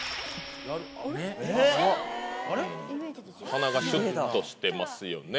鼻がシュっとしてますよね。